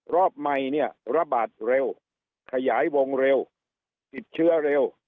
รอบใหม่เนี่ยระบาดเร็วขยายวงเร็วติดเชื้อเร็ว